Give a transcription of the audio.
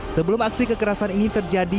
sebelum aksi kekerasan ini terjadi